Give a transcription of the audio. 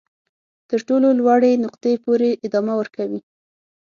تر تر ټولو لوړې نقطې پورې ادامه ورکوي.